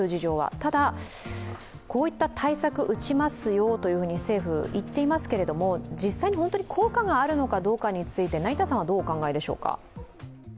ただ、こういった対策を打ちますよと政府は言っていますが実際に本当に効果があるのかどうかについて成田さんはどうお考えでしょうか。